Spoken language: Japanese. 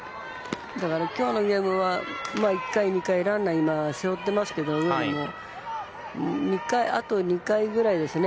今日のゲームは１回２回ランナーを背負っていますけども上野も、あと２回ぐらいですね。